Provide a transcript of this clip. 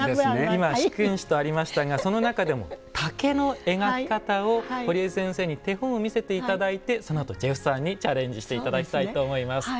今四君子とありましたがその中でも竹の描き方を堀江先生に手本を見せて頂いてそのあとジェフさんにチャレンジして頂きたいと思います。